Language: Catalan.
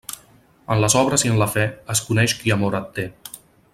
En les obres i en la fe, es coneix qui amor et té.